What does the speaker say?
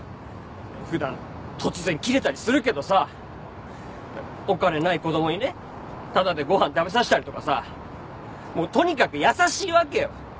普段突然キレたりするけどさお金のない子供にねタダでご飯食べさせたりとかさもうとにかく優しいわけよ！